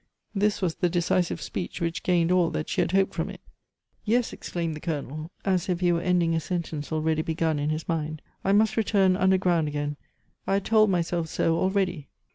This was the decisive speech which gained all that she had hoped from it. "Yes," exclaimed the Colonel, as if he were ending a sentence already begun in his mind, "I must return underground again. I had told myself so already."